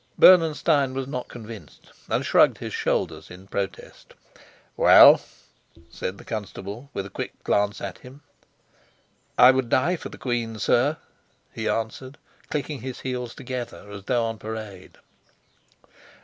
Bernenstein was not convinced, and shrugged his shoulders in protest. "Well?" said the constable, with a quick glance at him. "I would die for the queen, sir," he answered, clicking his heels together as though on parade.